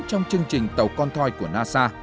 trong chương trình tàu con thoi của nasa